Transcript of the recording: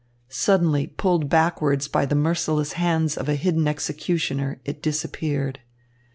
Suddenly, pulled backwards by the merciless hands of a hidden executioner, it disappeared.